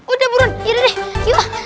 udah burun yuk yuk yuk